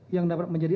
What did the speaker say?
yang dapat menjadi